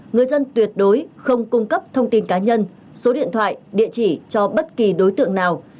người dân tuyệt đối không cung cấp thông tin cá nhân số điện thoại địa chỉ cho bất kỳ đối tượng nào